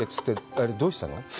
帰りどうしたの？